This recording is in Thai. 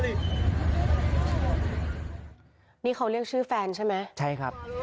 เป็นชาวเมียนมาหรือว่าชาวพม่านะครับ